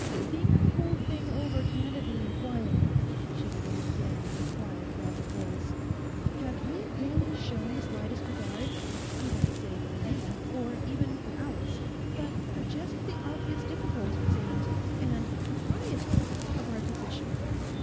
'Think the whole thing over candidly and quietly,' she began again in a quiet rapid voice. 'Have you really shown the slightest regard, I won't say for me, or even for Alice, but for just the obvious difficulties and—and proprieties of our position?